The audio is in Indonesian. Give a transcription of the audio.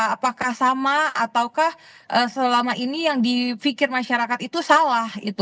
apakah sama ataukah selama ini yang dipikir masyarakat itu salah